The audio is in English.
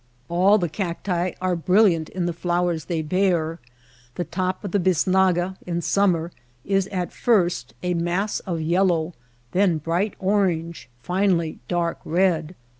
All the cacti are brilliant in the flowers they bear. The top of the bisnaga in summer is at first a mass of yellow, then bright orange, finally dark red.